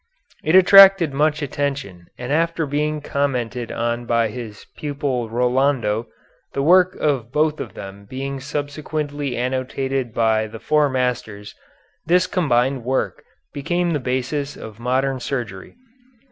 It attracted much attention and after being commented on by his pupil Rolando, the work of both of them being subsequently annotated by the Four Masters, this combined work became the basis of modern surgery.